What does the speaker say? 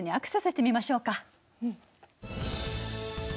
うん。